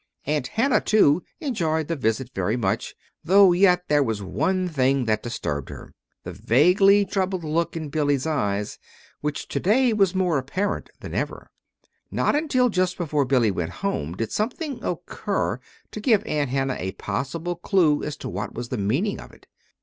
Aunt Hannah, too, enjoyed the visit very much, though yet there was one thing that disturbed her the vaguely troubled look in Billy's eyes, which to day was more apparent than ever. Not until just before Billy went home did something occur to give Aunt Hannah a possible clue as to what was the meaning of it.